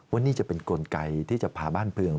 ว่านี่จะเป็นกลไกที่จะพาบ้านเพลิง